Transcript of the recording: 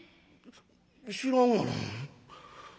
「知らんがな。